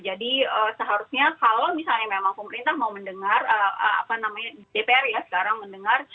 jadi seharusnya kalau misalnya memang pemerintah mau mendengar dpr ya sekarang mendengar